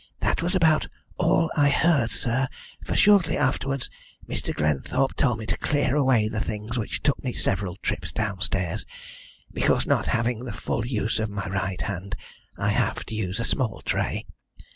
That was about all I heard, sir, for shortly afterwards Mr. Glenthorpe told me to clear away the things, which took me several trips downstairs, because, not having the full use of my right hand, I have to use a small tray.